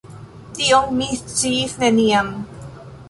Tion mi sciis neniam.